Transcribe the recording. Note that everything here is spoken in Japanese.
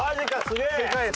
すげえ。